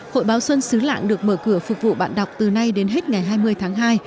hội báo xuân xứ lạng được mở cửa phục vụ bạn đọc từ nay đến hết ngày hai mươi tháng hai